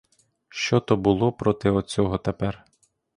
Що то було проти оцього тепер?